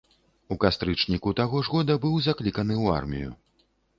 У кастрычніку таго ж года быў закліканы ў армію.